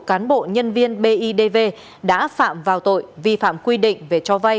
cán bộ nhân viên bidv đã phạm vào tội vi phạm quy định về cho vay